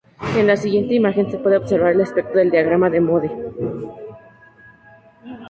En la siguiente imagen se puede observar el aspecto del diagrama de Moody.